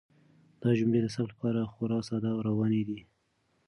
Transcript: دا جملې د ثبت لپاره خورا ساده او روانې دي.